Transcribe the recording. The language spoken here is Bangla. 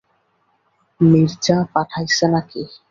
মির্জা পাঠাইছে নাকি?